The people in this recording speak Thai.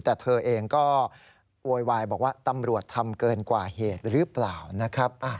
แต่เธอเองก็โวยวายบอกว่าตำรวจทำเกินกว่าเหตุหรือเปล่านะครับ